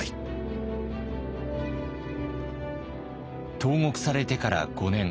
投獄されてから５年。